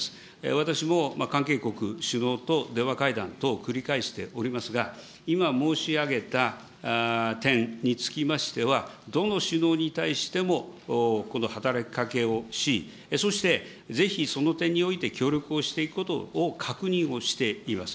私も関係国、首脳と電話会談等を繰り返しておりますが、今申し上げた点につきましては、どの首脳に対しても働きかけをし、そしてぜひその点において協力をしていくことを確認をしています。